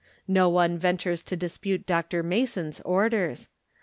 No one ventures to dispute Dr. Mason's orders.